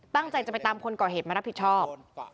ตั้งใจจะไปตามคนก่อเหตุมารับผิดชอบ